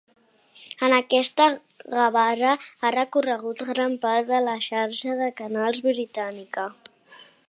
En aquesta gavarra ha recorregut gran part de la xarxa de canals britànica.